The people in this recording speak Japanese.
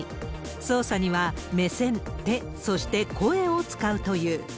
操作には、目線、手、そして声を使うという。